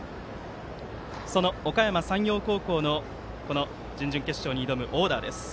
その、おかやま山陽高校の準々決勝に挑むオーダーです。